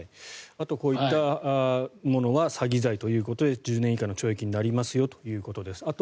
あと、こういったものは詐欺罪ということで１０年以下の懲役になりますよということです。